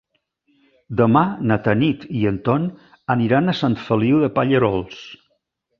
Demà na Tanit i en Ton aniran a Sant Feliu de Pallerols.